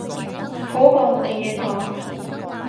好過冇嘢講